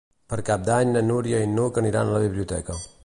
Per Cap d'Any na Núria i n'Hug aniran a la biblioteca.